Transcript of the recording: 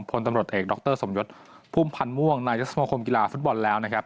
ผลตำรวจเอกดรสมยศภูมิพันธ์ม่วงนายศสมคมกีฬาฟุตบอลแล้ว